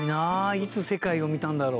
いつ世界を見たんだろう？」